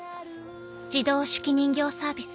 自動手記人形サービス。